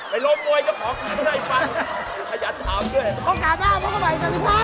โปรดติดตามตอนต่อไป